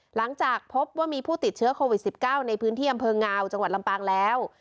หลังจากพบว่ามีผู้ติดเชื้อโควิด๑๙ในพื้นที่อำเภองาวจังหวัดลำปางแล้ว